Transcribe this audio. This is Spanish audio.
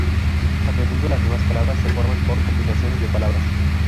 A menudo, las nuevas palabras se forman por combinaciones de palabras.